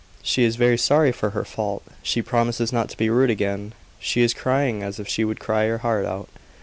"She is very sorry for her fault; she promises not to be rude again. She is crying as if she would cry her heart out."